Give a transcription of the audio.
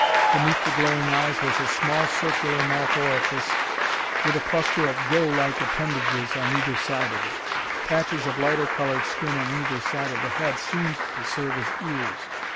Beneath the glowing eyes was a small circular mouth orifice with a cluster of gill like appendages on either side of it. Patches of lighter colored skin on either side of the head seemed to serve as ears.